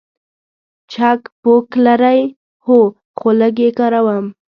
چک بوک لرئ؟ هو، خو لږ یی کاروم